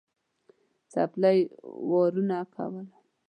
څپلۍ وارونه کول.